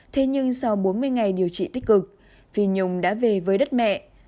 thế nhưng sau bốn mươi ngày điều trị tích cực phi nhung đã về với đất mẹ